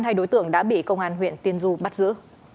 hai đối tượng đã bị công an huyện tiên du bắt giữ